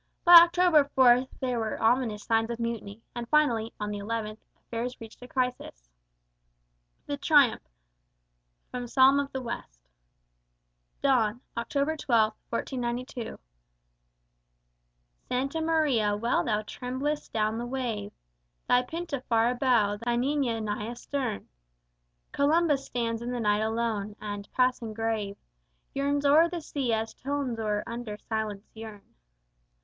By October 4 there were ominous signs of mutiny, and finally, on the 11th, affairs reached a crisis. THE TRIUMPH From "Psalm of the West" [Dawn, October 12, 1492] Santa Maria, well thou tremblest down the wave, Thy Pinta far abow, thy Niña nigh astern: Columbus stands in the night alone, and, passing grave, Yearns o'er the sea as tones o'er under silence yearn.